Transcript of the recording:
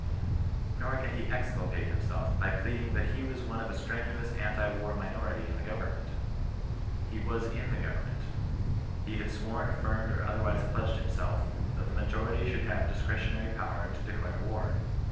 Nor can he exculpate himself by pleading that he was one of a strenuous anti war miifwHiy in the government. He was in the government. He had sworn, affirmed, or other wise pledged himself, that the majority should have dis cretionary power to declare war.